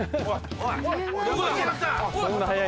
おい！